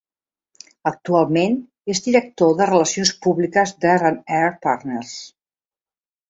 Actualment és director de relacions públiques d'R and R Partners.